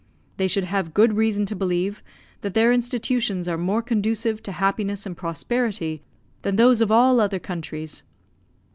They should have good reason to believe that their institutions are more conducive to happiness and prosperity than those of all other countries.